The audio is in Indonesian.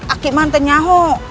akik mantan nyahu